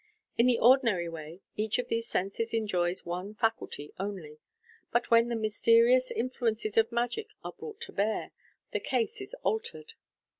In the ordinary way, each of these senses enjoys one faculty only j but when the mysterious influences of magic are brought to bear, the case is altered.